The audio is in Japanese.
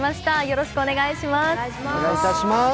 よろしくお願いします。